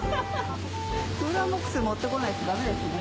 クーラーボックス持ってこないとダメですね